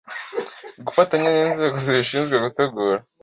Gufatanya n inzego zibishinzwe gutegura